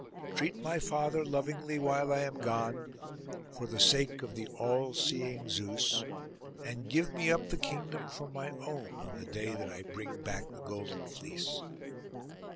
Treat my father lovingly while I am gone, for the sake of the all seeing Zeus; and give me up the kingdom for my own on the day that I bring back the golden fleece.